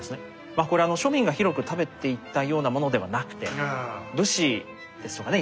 まあこれは庶民が広く食べていたようなものではなくて武士ですとかね